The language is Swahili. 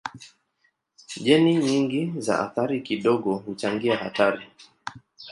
Jeni nyingi za athari kidogo huchangia hatari.